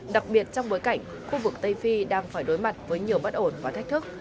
đặc biệt trong bối cảnh khu vực tây phi đang phải đối mặt với nhiều bất ổn và thách thức